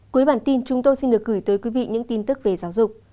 cuối bản tin chúng tôi xin được gửi tới quý vị những tin tức về giáo dục